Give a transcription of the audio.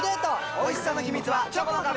おいしさの秘密はチョコの壁！